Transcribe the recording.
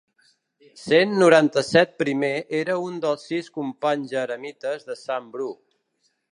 Cent noranta-set primer era un dels sis companys eremites de sant Bru.